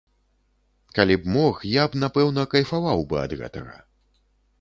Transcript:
Калі б мог, я б напэўна кайфаваў бы ад гэтага.